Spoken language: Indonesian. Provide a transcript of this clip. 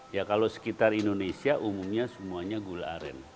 ya kalau sekitar indonesia umumnya semuanya gula aren